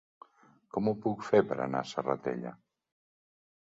Com ho puc fer per anar a la Serratella?